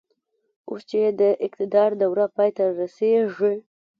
اوس چې يې د اقتدار دوره پای ته رسېږي.